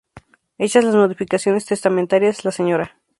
Hechas las modificaciones testamentarias la Sra.